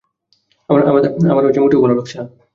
আমার মোটেও ভালো লাগছে না।